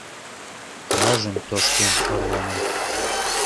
Кражым тошкен орлана.